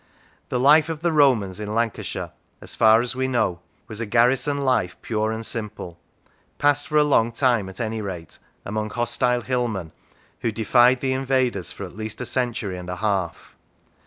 The life of the Romans in Lancashire, as far as we know, was a garrison life pure and simple, passed for a long time, at any rate, among hostile hillmen, who defied the invaders for at least a century and a half.